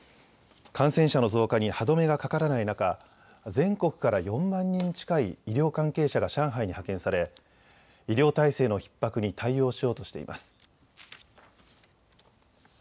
感染者の増加に歯止めがかからない中、全国から４万人近い医療関係者が上海に派遣され医療体制のひっ迫に対応しようとしています。